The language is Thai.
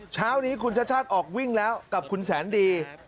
เช้านี้คุณชาติชาติออกวิ่งแล้วกับคุณแสนดี